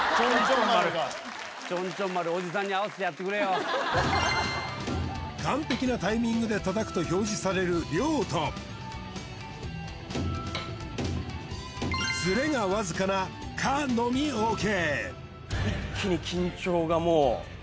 うん完璧なタイミングで叩くと表示される「良」とズレがわずかな「可」のみＯＫ